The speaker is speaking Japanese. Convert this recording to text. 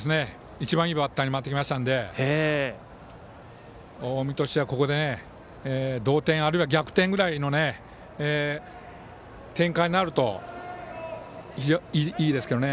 一番いいバッターに回ってきましたので近江としてはここで同点あるいは逆転ぐらいの展開になるといいですけどね。